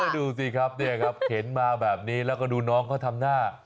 ดูสิครับเห็นมาแบบนี้แล้วก็ดูน้องก็ทำหน้า